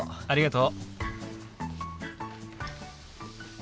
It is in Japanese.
ありがとう。